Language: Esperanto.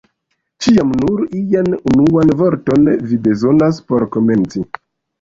Ĉiam nur ian unuan vorton vi bezonas por komenci!